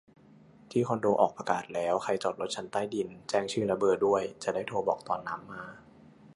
ที่คอนโดออกประกาศแล้ว ใครจอดรถชั้นใต้ดิน แจ้งชื่อและเบอร์ด้วย จะได้โทรบอกตอนน้ำมา